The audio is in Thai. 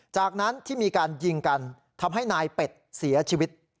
จากนั้นที่มีการยิงกันทำให้นายเป็ดเสียชีวิต